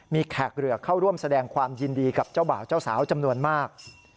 มีแขกเรือเข้าร่วมแสดงความยินดีกับเจ้าบ่าวเจ้าสาวจำนวนมาก